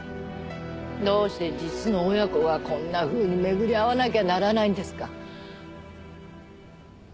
どうして実の親子がこんなふうに巡り会わなきゃならないんですか。